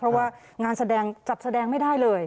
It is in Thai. เพราะว่างานแสดงจัดแสดงไม่ได้เลย